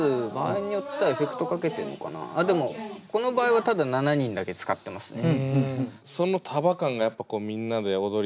あっでもこの場合はただ７人だけ使ってますね。